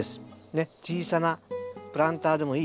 ねっ小さなプランターでもいい。